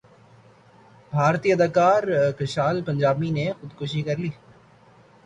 بھارتی اداکار کشال پنجابی نے خودکشی کرلی